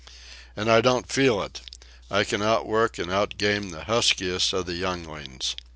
"And I don't feel it. I can outwork and outgame the huskiest of the younglings.